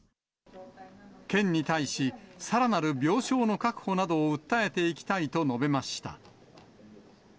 県に対し、さらなる病床の確保などを訴えていきたいと述べました。